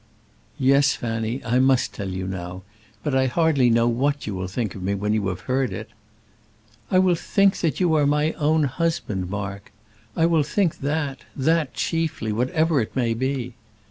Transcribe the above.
"Yes, Fanny, I must tell you now; but I hardly know what you will think of me when you have heard it." "I will think that you are my own husband, Mark; I will think that that chiefly, whatever it may be."